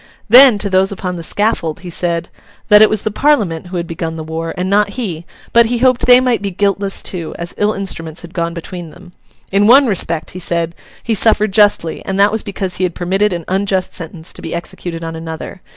Then, to those upon the scaffold, he said, 'that it was the Parliament who had begun the war, and not he; but he hoped they might be guiltless too, as ill instruments had gone between them. In one respect,' he said, 'he suffered justly; and that was because he had permitted an unjust sentence to be executed on another.